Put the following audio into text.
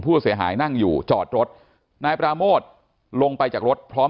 ผู้เสียหายนั่งอยู่จอดรถนายปราโมทลงไปจากรถพร้อม